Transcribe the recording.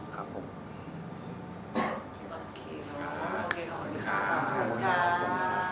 โอเคครับขอบคุณครับ